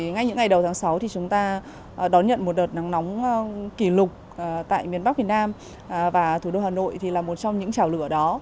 ngay những ngày đầu tháng sáu thì chúng ta đón nhận một đợt nắng nóng kỷ lục tại miền bắc miền nam và thủ đô hà nội thì là một trong những trào lửa đó